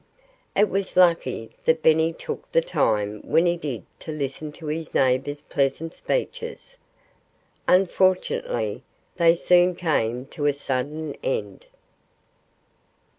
It was lucky that Benny took the time when he did to listen to his neighbors' pleasant speeches. Unfortunately they soon came to a sudden end.